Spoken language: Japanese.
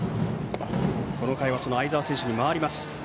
この回はその相澤選手に回ります。